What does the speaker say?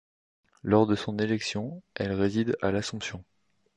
Lors de son élection, elle réside à L'Assomption.